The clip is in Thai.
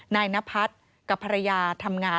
นายนพัฒน์กับภรรยาทำงาน